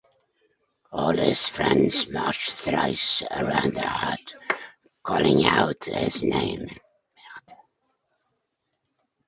All his friends march thrice around the hut calling out his name.